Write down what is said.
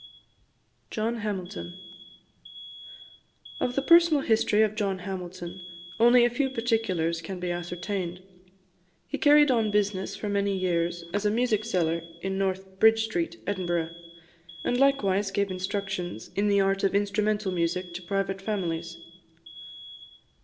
JOHN HAMILTON. Of the personal history of John Hamilton only a few particulars can be ascertained. He carried on business for many years as a music seller in North Bridge Street, Edinburgh, and likewise gave instructions in the art of instrumental music to private families.